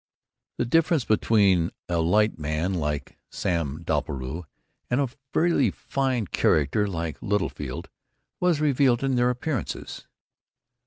The difference between a light man like Sam Doppelbrau and a really fine character like Littlefield was revealed in their appearances.